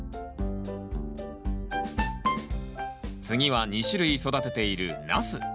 次は２種類育てているナス。